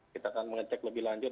kita akan mengecek lebih lanjut